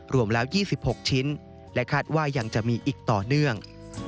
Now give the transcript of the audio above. รวมแล้ว๒๖ชิ้นและคาดว่ายังจะมีอีกต่อเนื่อง